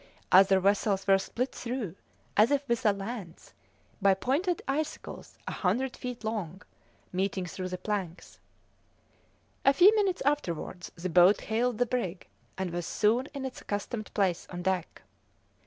Other vessels were split through, as if with a lance, by pointed icicles a hundred feet long, meeting through the planks. A few minutes afterwards the boat hailed the brig, and was soon in its accustomed place on deck.